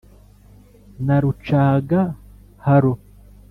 Na Rucagaharo